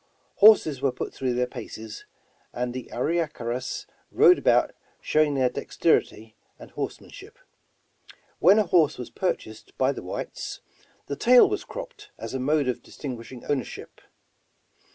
Horses were put through their paces, and the Arie karas rode about showing their dexterity and horse manship. When a horse was purchased by the whites, the tail was cropped as a mode of distinguishing owner ship.